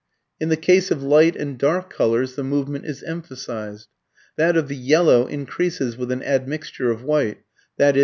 ] In the case of light and dark colours the movement is emphasized. That of the yellow increases with an admixture of white, i.e.